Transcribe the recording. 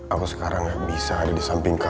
aku sekarang gak bisa ada disamping kamu